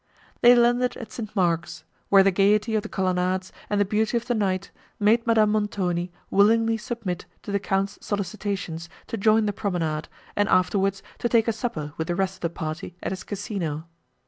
They landed at St. Mark's, where the gaiety of the colonnades and the beauty of the night, made Madame Montoni willingly submit to the Count's solicitations to join the promenade, and afterwards to take a supper with the rest of the party, at his Casino.